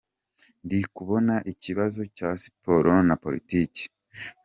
Ndi kubona ikibazo cya siporo na politiki.